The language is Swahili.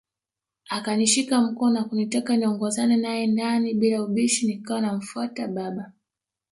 Akanishika mkono na kunitaka niongozane nae ndani bila ubishi nikawa namfuata baba